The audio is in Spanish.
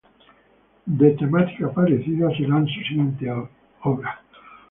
De temática parecida serán sus siguientes obras.